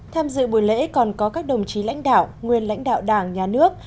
tham dự buổi lễ còn có các đồng chí lãnh đạo nguyên lãnh đạo đảng nhà nước